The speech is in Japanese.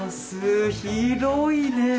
広いね！